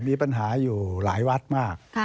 มีปัญหาอยู่หลายวัดมาก